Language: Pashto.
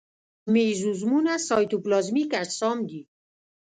مېزوزومونه سایتوپلازمیک اجسام دي.